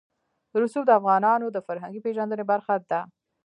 رسوب د افغانانو د فرهنګي پیژندنې برخه ده.